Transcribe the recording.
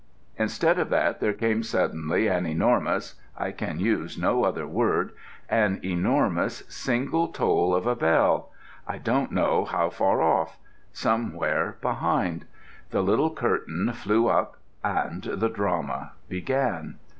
Instead of that there came suddenly an enormous I can use no other word an enormous single toll of a bell, I don't know from how far off somewhere behind. The little curtain flew up and the drama began.